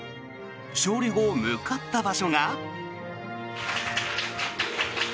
勝利後、向かった場所が。